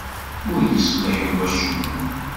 Ur yeṣliḥ i wacemma.